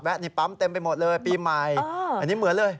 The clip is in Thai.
ในปั๊มเต็มไปหมดเลยปีใหม่อันนี้เหมือนเลย